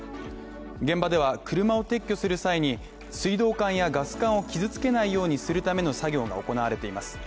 現場では車を撤去する際に水道管やガス管を傷つけないようにするための作業が行われています。